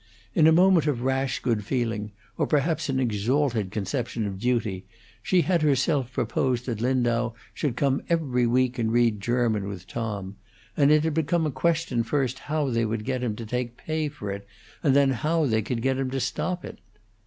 In a moment of rash good feeling, or perhaps an exalted conception of duty, she had herself proposed that Lindau should come every week and read German with Tom; and it had become a question first how they could get him to take pay for it, and then how they could get him to stop it.